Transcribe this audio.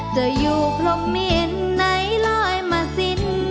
จะอยู่พรบเหมียญไหนรอยมาสิ้น